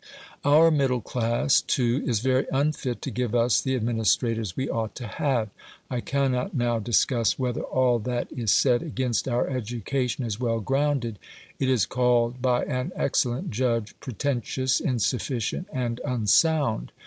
Our middle class, too, is very unfit to give us the administrators we ought to have. I cannot now discuss whether all that is said against our education is well grounded; it is called by an excellent judge "pretentious, insufficient, and unsound".